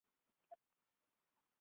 আলি দীর্ঘ সময় মুনিরের দিকে তাকিয়ে রইলেন।